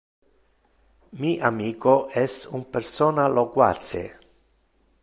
Mi amico es un persona loquace.